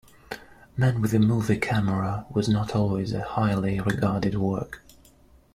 "Man with a Movie Camera" was not always a highly regarded work.